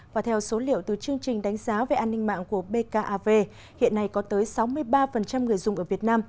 và theo số liệu từ chương trình đánh giá về an ninh mạng của bkav hiện nay có tới sáu mươi ba người dùng ở việt nam